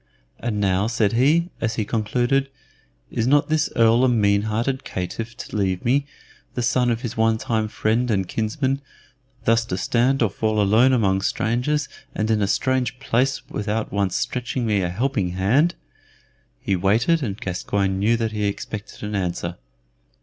"And now," said he, as he concluded, "is not this Earl a mean hearted caitiff to leave me, the son of his one time friend and kinsman, thus to stand or to fall alone among strangers and in a strange place without once stretching me a helping hand?" He waited, and Gascoyne knew that he expected an answer.